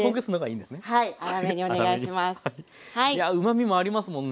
いやうまみもありますもんね。